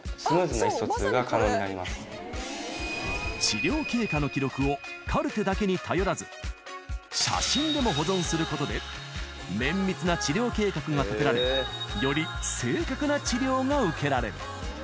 ［治療経過の記録をカルテだけに頼らず写真でも保存することで綿密な治療計画が立てられより正確な治療が受けられる］